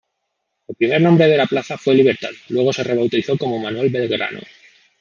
El primer nombre de la plaza fue Libertad, luego se rebautizó como Manuel Belgrano.